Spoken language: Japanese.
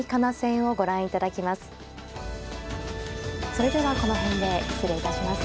それではこの辺で失礼いたします。